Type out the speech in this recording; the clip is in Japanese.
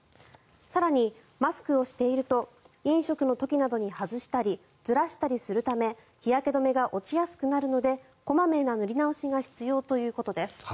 更に、マスクをしていると飲食の時などに外したりずらしたりするため日焼け止めが落ちやすくなるので小まめな塗り直しが必要ということです。